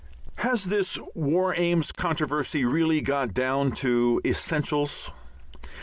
Has this War Aims controversy really got down to essentials?